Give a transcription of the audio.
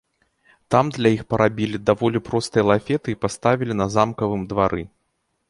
Там для іх парабілі даволі простыя лафеты і паставілі на замкавым двары.